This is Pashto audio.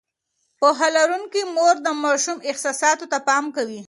پوهه لرونکې مور د ماشوم احساساتو ته پام کوي.